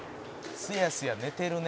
「“すやすやねてるね”